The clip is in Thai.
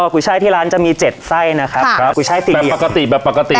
กุ้ยไช่ที่ร้านจะมีเจ็ดไส้นะครับครับกุ้ยไช่ตีเหลี่ยมแบบปกติแบบปกติ